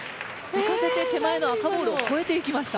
うかせて手前の赤ボールをこえていきました。